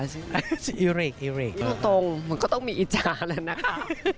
นี่ตรงมันก็ต้องมีอิจารณ์เลยนะคะ